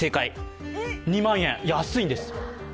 ２万円、安いんです。